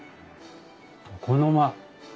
床の間。